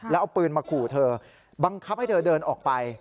แล้วเอาปืนมาขู่เธอบังคับให้เธอเดินออกไป